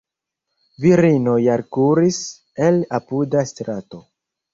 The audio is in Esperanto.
Virinoj alkuris el apuda strato.